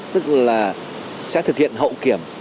tức là sẽ thực hiện hậu kiểm